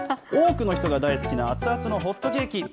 多くの人が大好きな熱々のホットケーキ。